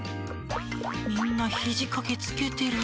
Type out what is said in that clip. みんなひじかけつけてる。